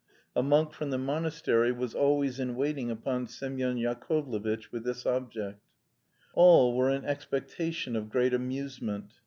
A monk from the monastery was always in waiting upon Semyon Yakovlevitch with this object. All were in expectation of great amusement.